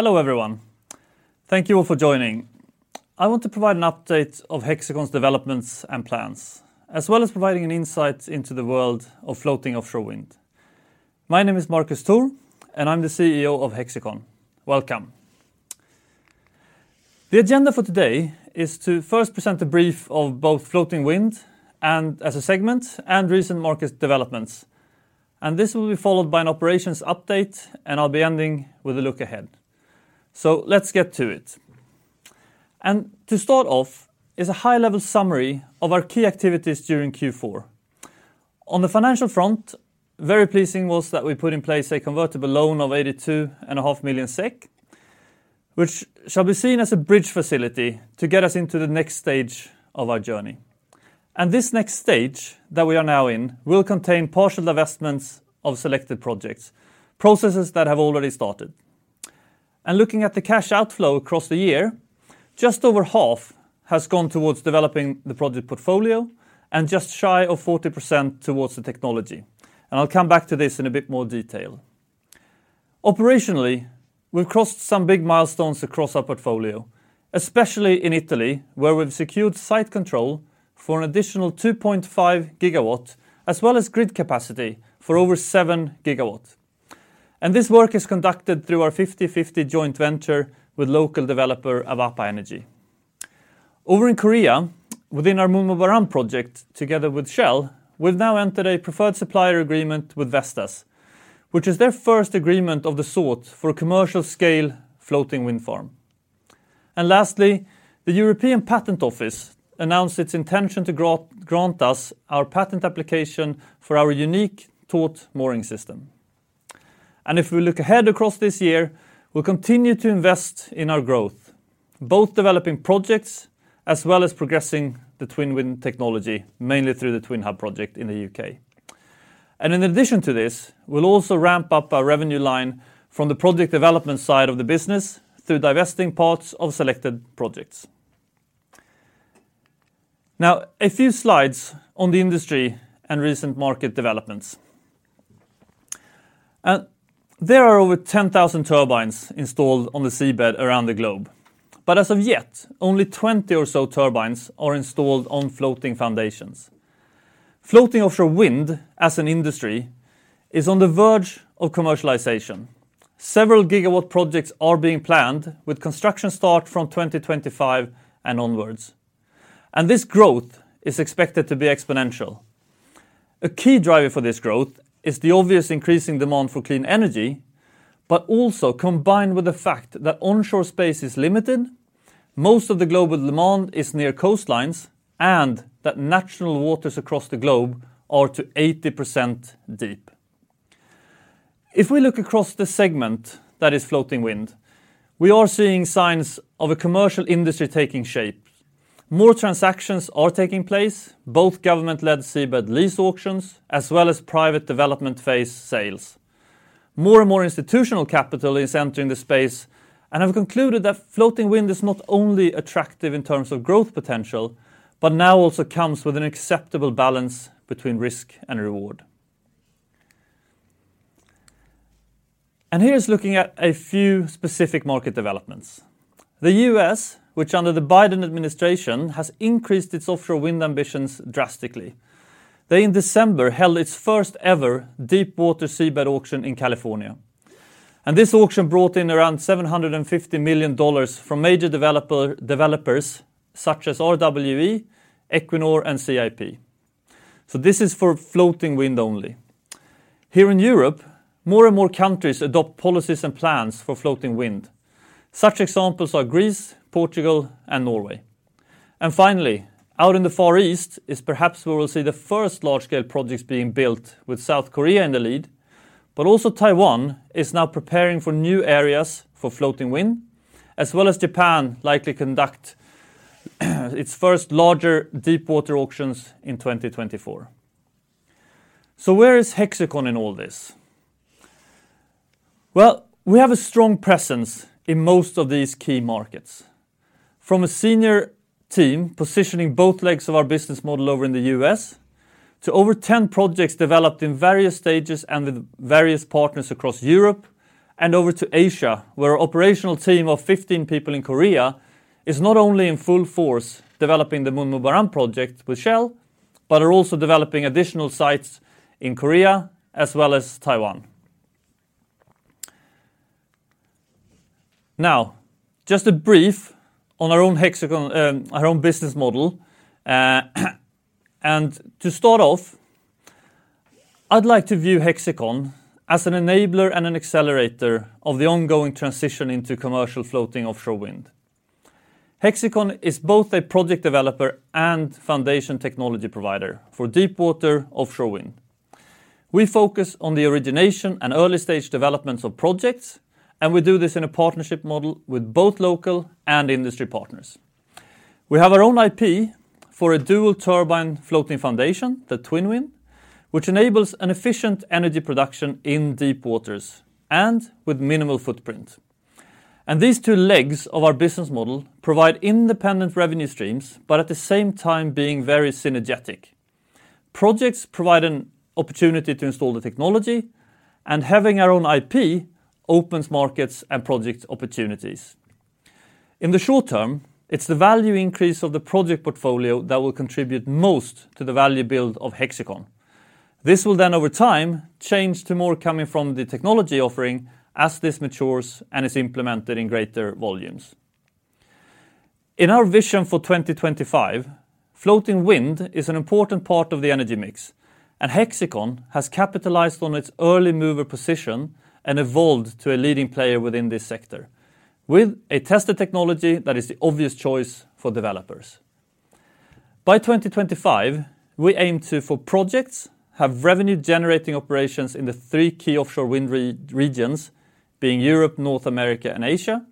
Hello everyone. Thank you all for joining. I want to provide an update of Hexicon's Developments and Plans, as well as providing an insight into the world of floating offshore wind. My name is Marcus Thor, I'm the CEO of Hexicon. Welcome. The agenda for today is to first present a brief of both floating wind and as a segment and recent market developments. This will be followed by an operations update, and I'll be ending with a look ahead. Let's get to it. To start off is a high-level summary of our key activities during Q4. On the financial front, very pleasing was that we put in place a convertible loan of 82.5 million SEK, which shall be seen as a bridge facility to get us into the next stage of our journey. This next stage that we are now in will contain partial divestments of selected projects, processes that have already started. Looking at the cash outflow across the year, just over half has gone towards developing the project portfolio and just shy of 40% towards the technology. I'll come back to this in a bit more detail. Operationally, we've crossed some big milestones across our portfolio, especially in Italy, where we've secured site control for an additional 2.5 GW, as well as grid capacity for over 7 GW. This work is conducted through our 50/50 joint venture with local developer Avapa Energy. Over in Korea, within our MunmuBaram project together with Shell, we've now entered a preferred supplier agreement with Vestas, which is their first agreement of the sort for a commercial scale floating wind farm. Lastly, the European Patent Office announced its intention to grant us our patent application for our unique taut mooring system. If we look ahead across this year, we'll continue to invest in our growth, both developing projects as well as progressing the TwinWind technology, mainly through the TwinHub project in the U.K. In addition to this, we'll also ramp up our revenue line from the project development side of the business through divesting parts of selected projects. Now, a few slides on the industry and recent market developments. There are over 10,000 turbines installed on the seabed around the globe. As of yet, only 20 or so turbines are installed on floating foundations. Floating offshore wind as an industry is on the verge of commercialization. Several gigawatt projects are being planned with construction start from 2025 and onwards. This growth is expected to be exponential. A key driver for this growth is the obvious increasing demand for clean energy, but also combined with the fact that onshore space is limited, most of the global demand is near coastlines, and that natural waters across the globe are to 80% deep. If we look across the segment, that is floating wind, we are seeing signs of a commercial industry taking shape. More transactions are taking place, both government-led seabed lease auctions, as well as private development phase sales. More and more institutional capital is entering the space and have concluded that floating wind is not only attractive in terms of growth potential, but now also comes with an acceptable balance between risk and reward. Here's looking at a few specific market developments. The U.S., which under the Biden administration, has increased its offshore wind ambitions drastically. They, in December, held its first ever deep water seabed auction in California. This auction brought in around $750 million from major developers such as RWE, Equinor, and CIP. This is for floating wind only. Here in Europe, more and more countries adopt policies and plans for floating wind. Such examples are Greece, Portugal, and Norway. Finally, out in the Far East is perhaps where we'll see the first large scale projects being built with South Korea in the lead. Also Taiwan is now preparing for new areas for floating wind, as well as Japan likely conduct, its first larger deep water auctions in 2024. Where is Hexicon in all this? We have a strong presence in most of these key markets. From a senior team positioning both legs of our business model over in the U.S. to over 10 projects developed in various stages and with various partners across Europe and over to Asia, where operational team of 15 people in Korea is not only in full force developing the MunmuBaram project with Shell, but are also developing additional sites in Korea as well as Taiwan. Just a brief on our own Hexicon, our own business model. To start off, I'd like to view Hexicon as an enabler and an accelerator of the ongoing transition into commercial floating offshore wind. Hexicon is both a project developer and foundation technology provider for deep water offshore wind. We focus on the origination and early stage developments of projects, and we do this in a partnership model with both local and industry partners. We have our own IP for a dual turbine floating foundation, the TwinWind, which enables an efficient energy production in deep waters and with minimal footprint. These two legs of our business model provide independent revenue streams, but at the same time being very synergetic. Projects provide an opportunity to install the technology. Having our own IP opens markets and project opportunities. In the short term, it's the value increase of the project portfolio that will contribute most to the value build of Hexicon. This will then over time change to more coming from the technology offering as this matures and is implemented in greater volumes. In our vision for 2025, floating wind is an important part of the energy mix, and Hexicon has capitalized on its early mover position and evolved to a leading player within this sector with a tested technology that is the obvious choice for developers. By 2025, we aim to, for projects, have revenue-generating operations in the three key offshore wind re-regions, being Europe, North America, and Asia.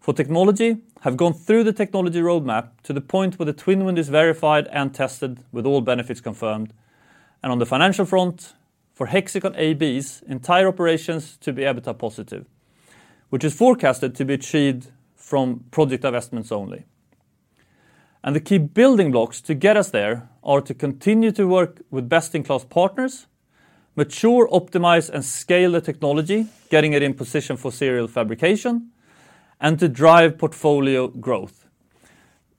For technology, have gone through the technology roadmap to the point where the TwinWind is verified and tested with all benefits confirmed. On the financial front, for Hexicon AB's entire operations to be EBITDA positive, which is forecasted to be achieved from project investments only. The key building blocks to get us there are to continue to work with best-in-class partners, mature, optimize, and scale the technology, getting it in position for serial fabrication, and to drive portfolio growth.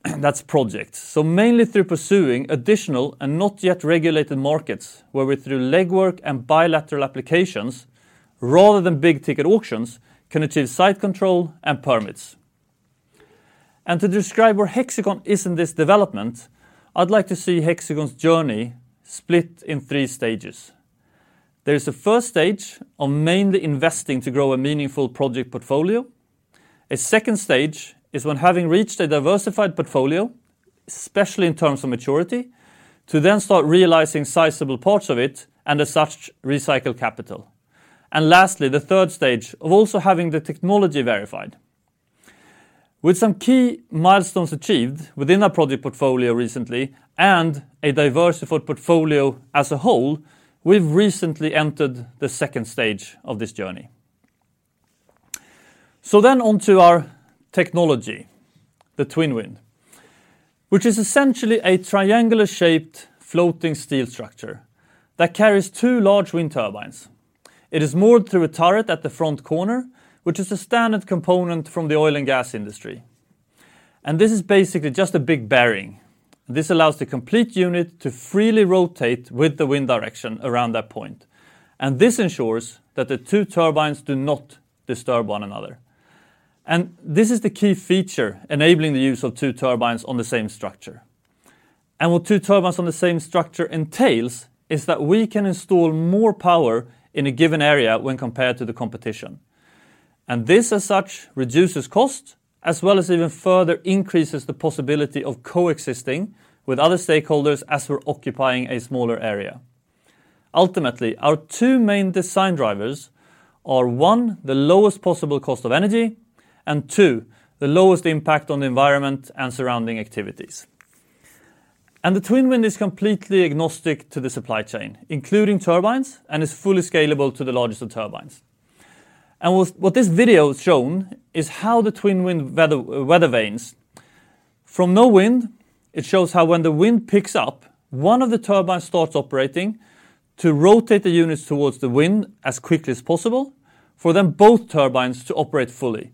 That's projects. Mainly through pursuing additional and not yet regulated markets where through legwork and bilateral applications rather than big-ticket auctions, can achieve site control and permits. To describe where Hexicon is in this development, I'd like to see Hexicon's journey split in three stages. There is a first stage of mainly investing to grow a meaningful project portfolio. A second stage is when having reached a diversified portfolio, especially in terms of maturity, to then start realizing sizable parts of it and as such, recycle capital. Lastly, the third stage of also having the technology verified. With some key milestones achieved within our project portfolio recently and a diversified portfolio as a whole, we've recently entered the second stage of this journey. On to our technology, the TwinWind, which is essentially a triangular-shaped floating steel structure that carries two large wind turbines. It is moored through a turret at the front corner, which is a standard component from the oil and gas industry. This is basically just a big bearing. This allows the complete unit to freely rotate with the wind direction around that point. This ensures that the two turbines do not disturb one another. This is the key feature enabling the use of two turbines on the same structure. What two turbines on the same structure entails is that we can install more power in a given area when compared to the competition. This, as such, reduces cost as well as even further increases the possibility of coexisting with other stakeholders as we're occupying a smaller area. Ultimately, our two main design drivers are, one, the lowest possible cost of energy, and two, the lowest impact on the environment and surrounding activities. The TwinWind is completely agnostic to the supply chain, including turbines, and is fully scalable to the largest of turbines. What this video has shown is how the TwinWind weathervanes. From no wind, it shows how when the wind picks up, one of the turbines starts operating to rotate the units towards the wind as quickly as possible for then both turbines to operate fully.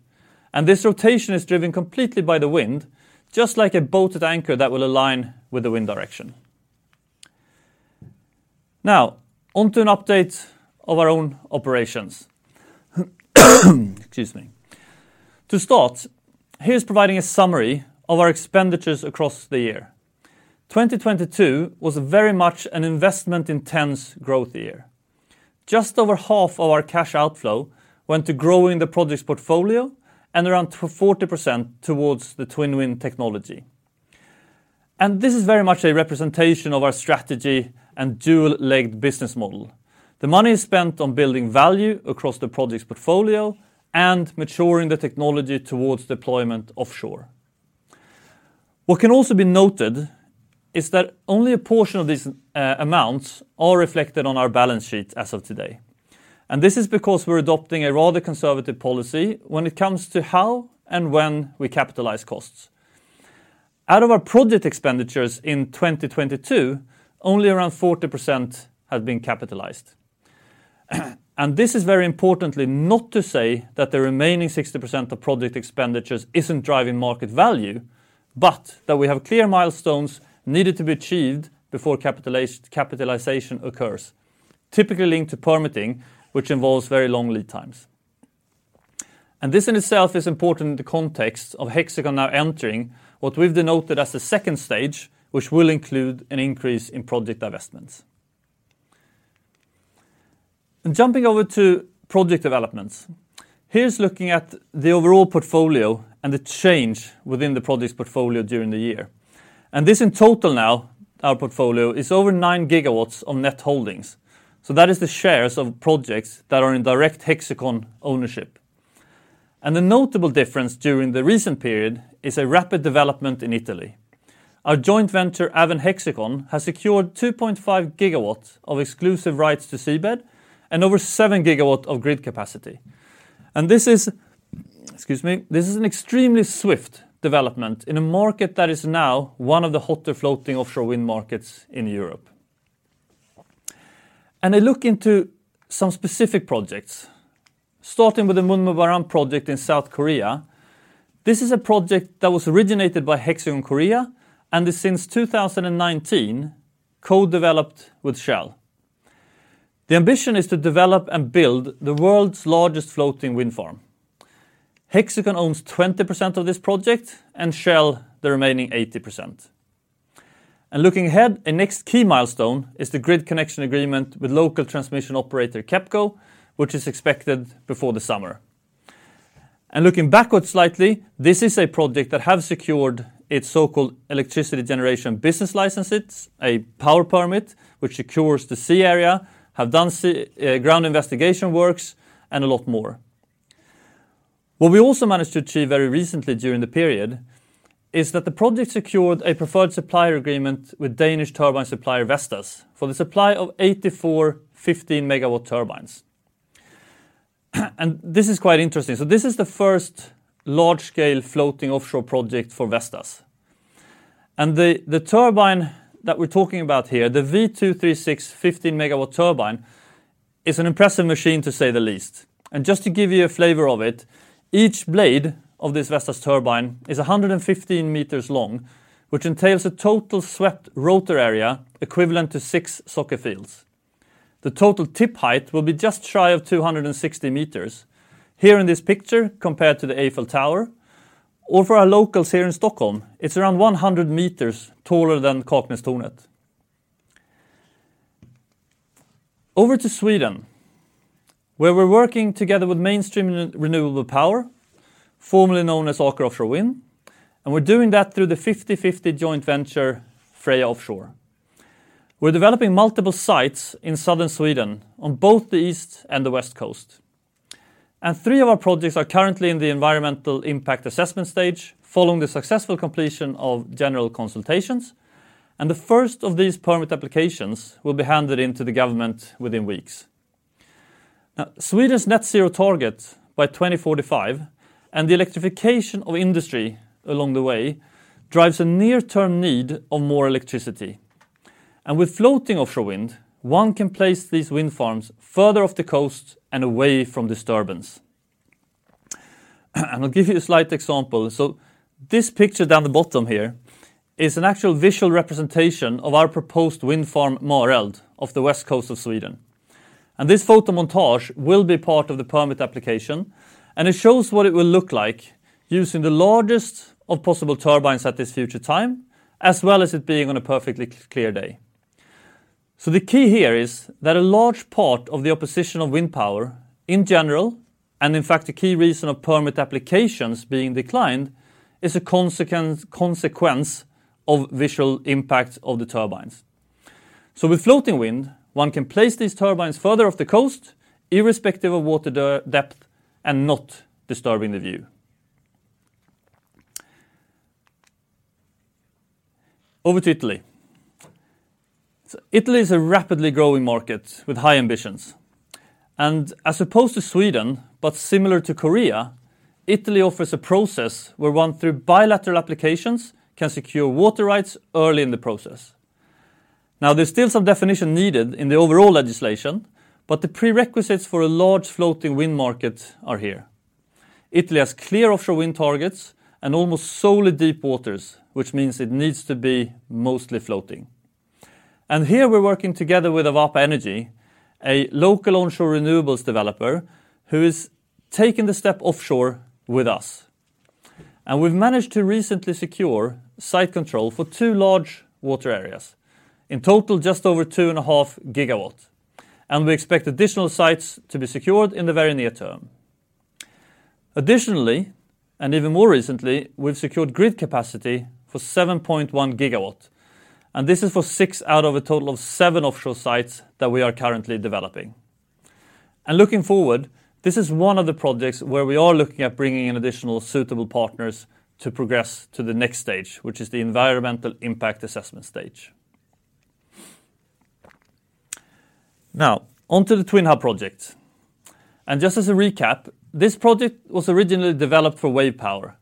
This rotation is driven completely by the wind, just like a boated anchor that will align with the wind direction. Now, on to an update of our own operations. Excuse me. To start, here's providing a summary of our expenditures across the year. 2022 was very much an investment-intense growth year. Just over half of our cash outflow went to growing the projects portfolio and around for 40% towards the TwinWind technology. This is very much a representation of our strategy and dual-legged business model. The money is spent on building value across the projects portfolio and maturing the technology towards deployment offshore. What can also be noted is that only a portion of these amounts are reflected on our balance sheet as of today. This is because we're adopting a rather conservative policy when it comes to how and when we capitalize costs. Out of our project expenditures in 2022, only around 40% have been capitalized. This is very importantly not to say that the remaining 60% of project expenditures isn't driving market value, but that we have clear milestones needed to be achieved before capitalization occurs, typically linked to permitting, which involves very long lead times. This in itself is important in the context of Hexicon now entering what we've denoted as the second stage, which will include an increase in project investments. Jumping over to project developments, here's looking at the overall portfolio and the change within the projects portfolio during the year. This in total now, our portfolio, is over 9 GW of net holdings. So that is the shares of projects that are in direct Hexicon ownership. The notable difference during the recent period is a rapid development in Italy. Our joint venture, AvenHexicon, has secured 2.5 GW of exclusive rights to seabed and over 7 GW of grid capacity. This is. Excuse me. This is an extremely swift development in a market that is now one of the hotter floating offshore wind markets in Europe. I look into some specific projects, starting with the MunmuBaram project in South Korea. This is a project that was originated by Hexicon Korea and since 2019, co-developed with Shell. The ambition is to develop and build the world's largest floating wind farm. Hexicon owns 20% of this project, and Shell the remaining 80%. Looking ahead, a next key milestone is the grid connection agreement with local transmission operator KEPCO, which is expected before the summer. Looking backwards slightly, this is a project that have secured its so-called Electricity Business License, a power permit which secures the sea area, have done sea ground investigation works, and a lot more. What we also managed to achieve very recently during the period is that the project secured a preferred supplier agreement with Danish turbine supplier Vestas for the supply of 84 15-MW turbines. This is quite interesting. This is the first large-scale floating offshore project for Vestas. The turbine that we're talking about here, the V236 15-MW turbine, is an impressive machine to say the least. Just to give you a flavor of it, each blade of this Vestas turbine is 115 meters long, which entails a total swept rotor area equivalent to six soccer fields. The total tip height will be just shy of 260 meters. Here in this picture compared to the Eiffel Tower, or for our locals here in Stockholm, it's around 100 meters taller than Kaknästornet. Over to Sweden, where we're working together with Mainstream Renewable Power, formerly known as Aker Offshore Wind, and we're doing that through the 50/50 joint venture Freya Offshore. We're developing multiple sites in southern Sweden on both the east and the west coast. Three of our projects are currently in the environmental impact assessment stage following the successful completion of general consultations, the first of these permit applications will be handed into the government within weeks. Now, Sweden's net zero target by 2045 and the electrification of industry along the way drives a near-term need of more electricity. With floating offshore wind, one can place these wind farms further off the coast and away from disturbance. I'll give you a slight example. This picture down the bottom here is an actual visual representation of our proposed wind farm, Mareld, off the west coast of Sweden. This photo montage will be part of the permit application, and it shows what it will look like using the largest of possible turbines at this future time, as well as it being on a perfectly clear day. The key here is that a large part of the opposition of wind power in general, and in fact, the key reason of permit applications being declined, is a consequence of visual impact of the turbines. With floating wind, one can place these turbines further off the coast, irrespective of water depth and not disturbing the view. Over to Italy. Italy is a rapidly growing market with high ambitions. As opposed to Sweden, but similar to Korea, Italy offers a process where one, through bilateral applications, can secure water rights early in the process. There's still some definition needed in the overall legislation, but the prerequisites for a large floating wind market are here. Italy has clear offshore wind targets and almost solely deep waters, which means it needs to be mostly floating. Here we're working together with Avapa Energy, a local onshore renewables developer, who is taking the step offshore with us. We've managed to recently secure site control for two large water areas, in total, just over 2.5 GW. We expect additional sites to be secured in the very near term. Additionally, even more recently, we've secured grid capacity for 7.1 GW, this is for six out of a total of seven offshore sites that we are currently developing. Looking forward, this is one of the projects where we are looking at bringing in additional suitable partners to progress to the next stage, which is the environmental impact assessment stage. Now, onto the TwinHub project. Just as a recap, this project was originally developed for wave power.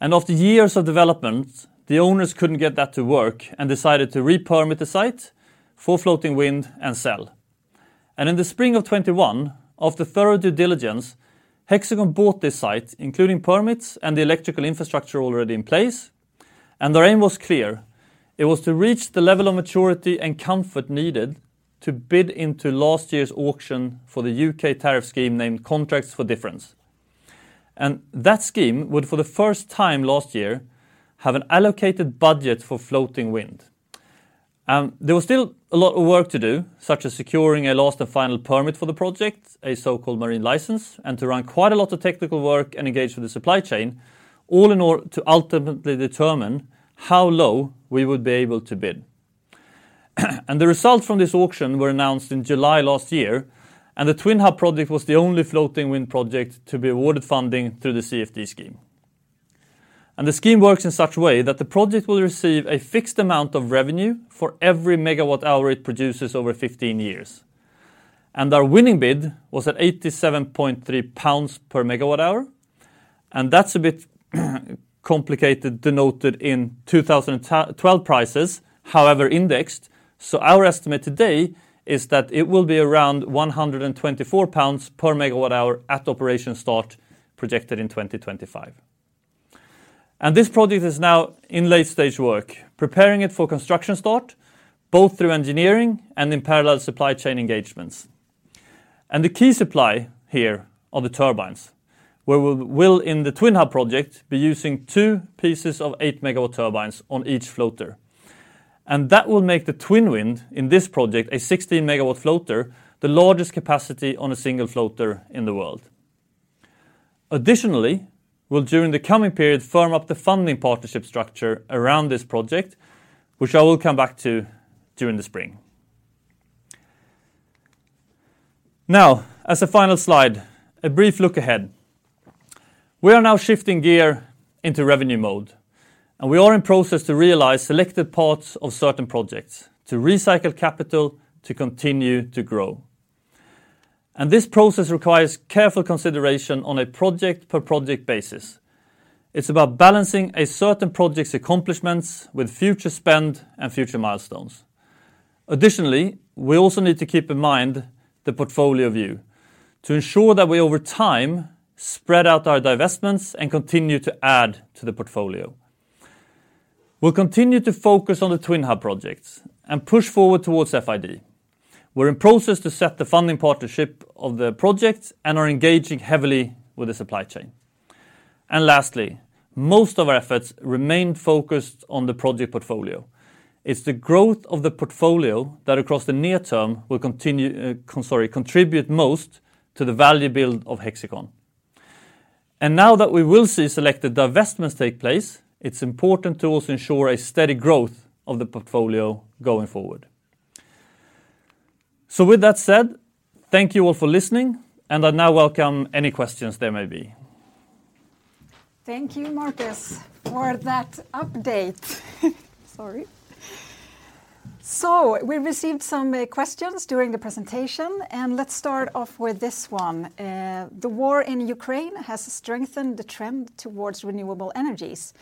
After years of development, the owners couldn't get that to work and decided to re-permit the site for floating wind and sell. In the spring of 2021, after thorough due diligence, Hexicon bought this site, including permits and the electrical infrastructure already in place. Their aim was clear. It was to reach the level of maturity and comfort needed to bid into last year's auction for the U.K. tariff scheme named Contracts for Difference. That scheme would, for the first time last year, have an allocated budget for floating wind. There was still a lot of work to do, such as securing a last and final permit for the project, a so-called Marine Licence, and to run quite a lot of technical work and engage with the supply chain, all in order to ultimately determine how low we would be able to bid. The results from this auction were announced in July last year, and the TwinHub project was the only floating wind project to be awarded funding through the CFD scheme. The scheme works in such a way that the project will receive a fixed amount of revenue for every megawatt hour it produces over 15 years. Our winning bid was at 87.3 pounds per megawatt-hour, and that's a bit complicated denoted in 2012 prices, however indexed. Our estimate today is that it will be around 124 pounds per megawatt-hour at operation start projected in 2025. This project is now in late-stage work, preparing it for construction start, both through engineering and in parallel supply chain engagements. The key supply here are the turbines, where we'll in the TwinHub project, be using two pieces of 8 MW turbines on each floater. That will make the TwinWind in this project a 16 MW floater, the largest capacity on a single floater in the world. Additionally, we'll during the coming period firm up the funding partnership structure around this project, which I will come back to during the spring. Now, as a final slide, a brief look ahead. We are now shifting gear into revenue mode, and we are in process to realize selected parts of certain projects to recycle capital to continue to grow. This process requires careful consideration on a project per project basis. It's about balancing a certain project's accomplishments with future spend and future milestones. Additionally, we also need to keep in mind the portfolio view to ensure that we over time spread out our divestments and continue to add to the portfolio. We'll continue to focus on the TwinHub projects and push forward towards FID. We're in process to set the funding partnership of the projects and are engaging heavily with the supply chain. Lastly, most of our efforts remain focused on the project portfolio. It's the growth of the portfolio that across the near term will continue contribute most to the value build of Hexicon. Now that we will see selected divestments take place, it's important to also ensure a steady growth of the portfolio going forward. With that said, thank you all for listening, and I now welcome any questions there may be. Thank you, Marcus, for that update. Sorry. We received some questions during the presentation. Let's start off with this one. The war in Ukraine has strengthened the trend towards renewable energies.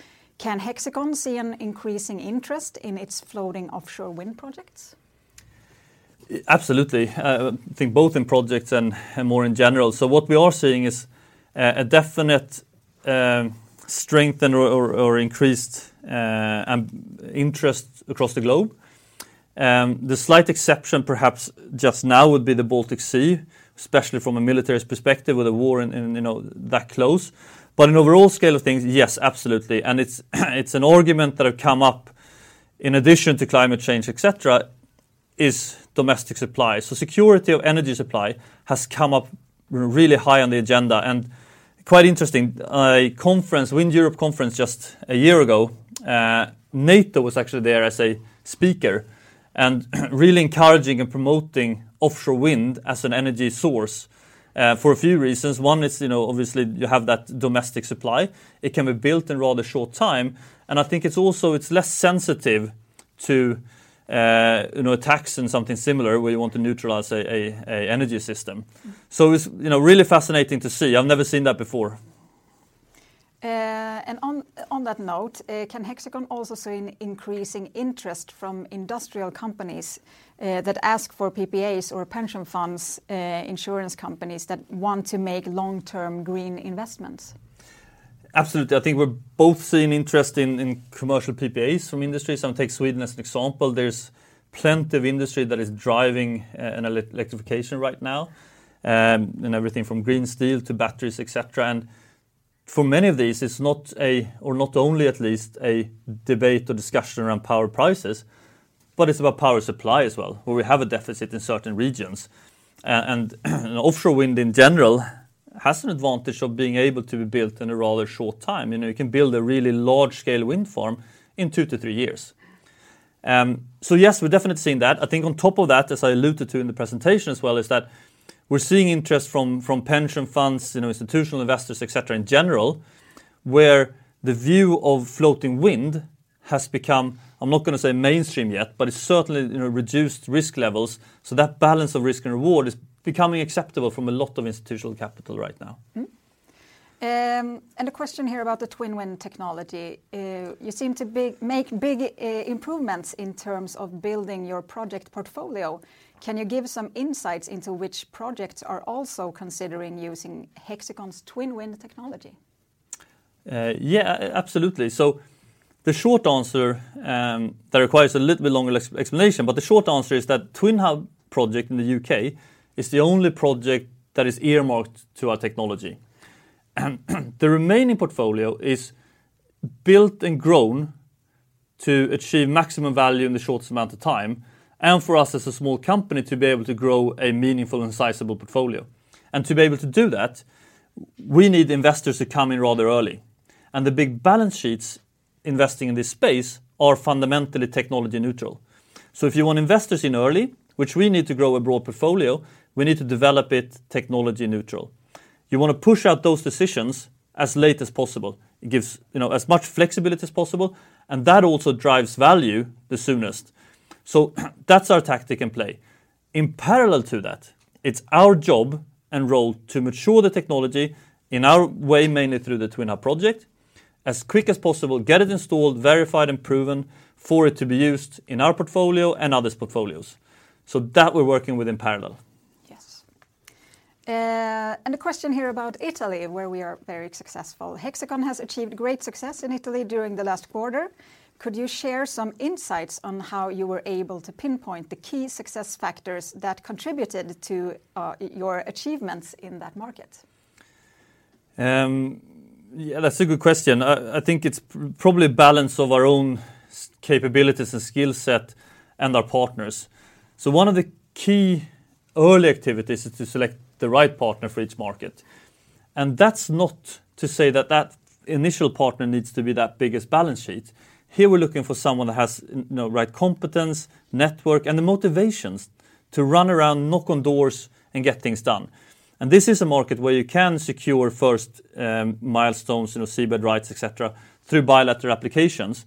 Can Hexicon see an increasing interest in its floating offshore wind projects? Absolutely. I think both in projects and more in general. What we are seeing is a definite strength or increased interest across the globe. The slight exception perhaps just now would be the Baltic Sea, especially from a military's perspective with a war in, you know, that close. In overall scale of things, yes, absolutely. It's an argument that have come up in addition to climate change, et cetera, is domestic supply. Security of energy supply has come up, you know, really high on the agenda. Quite interesting, a conference, WindEurope conference just a year ago, NATO was actually there as a speaker and really encouraging and promoting offshore wind as an energy source for a few reasons. One is, you know, obviously you have that domestic supply. It can be built in rather short time, and I think it's also, it's less sensitive to, you know, attacks and something similar where you want to neutralize a energy system. It's, you know, really fascinating to see. I've never seen that before. On that note, can Hexicon also see an increasing interest from industrial companies, that ask for PPAs or pension funds, insurance companies that want to make long-term green investments? Absolutely. I think we're both seeing interest in commercial PPAs from industry. Take Sweden as an example. There's plenty of industry that is driving an electrification right now, and everything from green steel to batteries, et cetera. For many of these, it's not a, or not only at least, a debate or discussion around power prices, but it's about power supply as well, where we have a deficit in certain regions. Offshore wind in general has an advantage of being able to be built in a rather short time. You know, you can build a really large scale wind farm in two to three years. Yes, we're definitely seeing that. I think on top of that, as I alluded to in the presentation as well, is that we're seeing interest from pension funds, you know, institutional investors, et cetera, in general, where the view of floating wind has become, I'm not gonna say mainstream yet, but it's certainly, you know, reduced risk levels. That balance of risk and reward is becoming acceptable from a lot of institutional capital right now. A question here about the TwinWind technology. you seem to be make big improvements in terms of building your project portfolio. Can you give some insights into which projects are also considering using Hexicon's TwinWind technology? Yeah, absolutely. The short answer, that requires a little bit longer explanation, but the short answer is that TwinHub project in the U.K. is the only project that is earmarked to our technology. The remaining portfolio is built and grown to achieve maximum value in the shortest amount of time, and for us as a small company, to be able to grow a meaningful and sizable portfolio. To be able to do that, we need investors to come in rather early. The big balance sheets investing in this space are fundamentally technology neutral. If you want investors in early, which we need to grow a broad portfolio, we need to develop it technology neutral. You wanna push out those decisions as late as possible. It gives, you know, as much flexibility as possible, and that also drives value the soonest. That's our tactic in play. In parallel to that, it's our job and role to mature the technology in our way, mainly through the TwinHub project, as quick as possible, get it installed, verified, and proven for it to be used in our portfolio and others' portfolios. That we're working with in parallel. Yes. A question here about Italy, where we are very successful. Hexicon has achieved great success in Italy during the last quarter. Could you share some insights on how you were able to pinpoint the key success factors that contributed to your achievements in that market? Yeah, that's a good question. I think it's probably balance of our own capabilities and skill set and our partners. One of the key early activities is to select the right partner for each market. That's not to say that that initial partner needs to be that biggest balance sheet. Here, we're looking for someone that has, you know, right competence, network, and the motivations to run around, knock on doors, and get things done. This is a market where you can secure first milestones, you know, seabed rights, et cetera, through bilateral applications.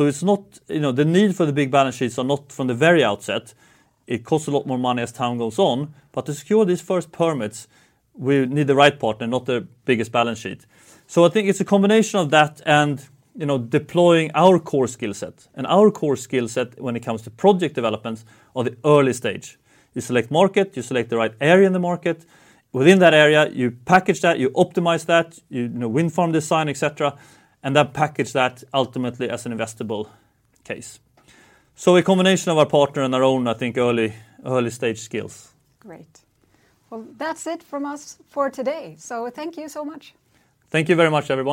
It's not, you know, the need for the big balance sheets are not from the very outset. It costs a lot more money as time goes on. To secure these first permits, we need the right partner, not the biggest balance sheet. I think it's a combination of that and, you know, deploying our core skill set. Our core skill set when it comes to project developments are the early stage. You select market, you select the right area in the market. Within that area, you package that, you optimize that, you know, wind farm design, etc., and that package that ultimately as an investable case. A combination of our partner and our own, I think, early-stage skills. Great. That's it from us for today, so thank you so much. Thank you very much, everyone.